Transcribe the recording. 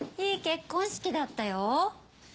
いい結婚式だったよ。